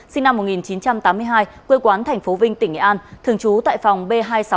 sinh năm một nghìn chín trăm tám mươi hai quê quán thành phố vinh tỉnh nghệ an thường trú tại phòng b hai nghìn sáu trăm linh sáu